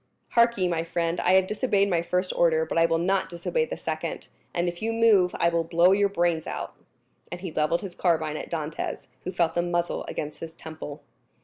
Hark ye, my friend, I have disobeyed my first order, but I will not disobey the second; and if you move, I will blow your brains out." And he levelled his carbine at Dantès, who felt the muzzle against his temple.